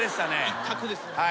一択ですもんね。